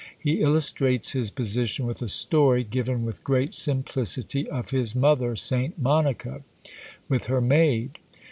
He illustrates his position with a story, given with great simplicity, of his mother Saint Monica with her maid.